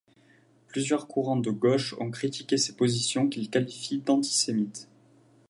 Plusieurs courants de gauche ont critiqué ces positions qu'ils qualifient d'antisémites.